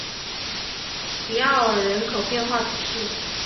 迪奥尔人口变化图示